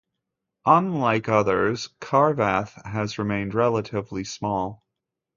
Unlike others, Cravath has remained relatively small.